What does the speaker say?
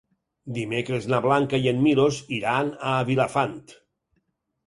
Dimecres na Blanca i en Milos iran a Vilafant.